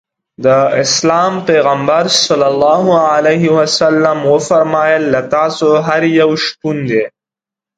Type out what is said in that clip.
د اسلام پیغمبر ص وفرمایل له تاسو هر یو شپون دی.